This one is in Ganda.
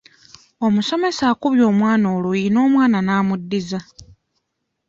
Omusomesa akubye omwana oluyi n'omwana n'amuddiza.